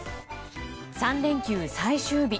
３連休最終日。